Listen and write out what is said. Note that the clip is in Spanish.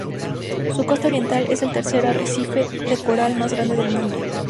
Su costa oriental es el tercer arrecife de coral más grande del mundo.